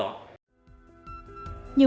hạ tầng xã hội